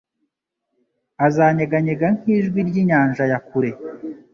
Azanyeganyega nk'ijwi ry'inyanja ya kure